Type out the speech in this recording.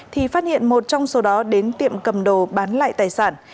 thì phát hiện một trong số đó đến tiệm cầm đồ bán lại tài sản